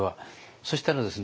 そしたらですね